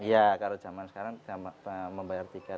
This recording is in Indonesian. iya kalau zaman sekarang membayar tiket